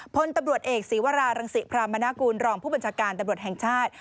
พลตำรวจเอกศีวรารังศิพรามนากูลรองผู้บัญชาการตำรวจแห่งชาติ